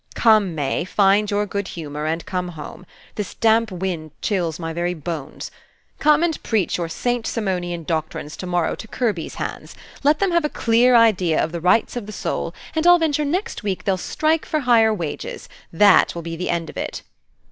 Come, May, find your good humor, and come home. This damp wind chills my very bones. Come and preach your Saint Simonian doctrines' to morrow to Kirby's hands. Let them have a clear idea of the rights of the soul, and I'll venture next week they'll strike for higher wages. That will be the end of it."